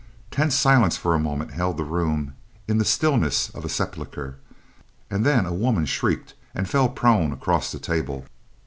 Tense silence for a moment held the room in the stillness of a sepulchre, and then a woman shrieked, and fell prone across the table.